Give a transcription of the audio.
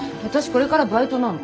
これからバイトなの。